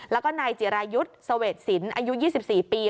แล้วก็นายจิรายุทธ์เสวดศิลป์อายุ๒๔ปี